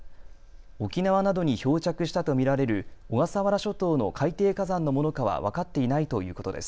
沖縄などに漂着したと見られる小笠原諸島の海底火山のものかは分かっていないということです。